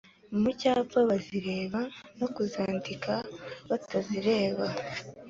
mu cyapa bazireba no kuzandika batazireba;